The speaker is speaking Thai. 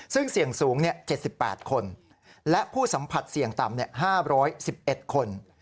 ซึ่งเสี่ยงสูง๗๘คนและผู้สัมผัสเสี่ยงต่ำ๕๑๑คน